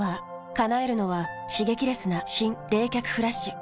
叶えるのは刺激レスな新・冷却フラッシュ。